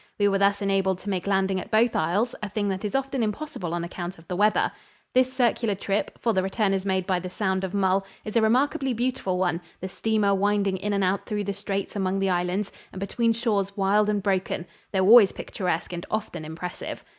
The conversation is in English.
We were thus enabled to make landing at both isles, a thing that is often impossible on account of the weather. This circular trip for the return is made by the Sound of Mull is a remarkably beautiful one, the steamer winding in and out through the straits among the islands and between shores wild and broken, though always picturesque and often impressive.